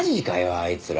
あいつら！